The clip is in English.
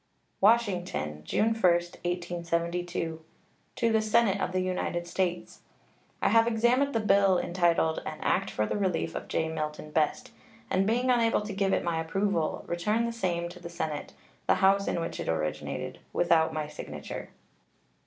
WASHINGTON, June 1, 1872. To the Senate of the United States: I have examined the bill entitled "An act for the relief of J. Milton Best," and, being unable to give it my approval, return the same to the Senate, the House in which it originated, without my signature.